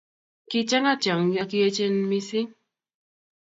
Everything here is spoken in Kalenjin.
Kichana tiobgik ak kiechene mising